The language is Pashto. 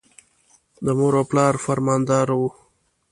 د مور او پلار فرمانبردار و.